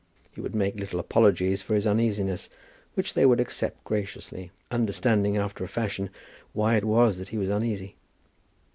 He would make little apologies for his uneasiness, which they would accept graciously, understanding, after a fashion, why it was that he was uneasy.